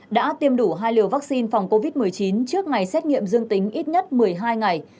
đã tiêm đủ hai liều vaccine phòng covid một mươi chín trước ngày xét nghiệm dương tính ít nhất một mươi hai ngày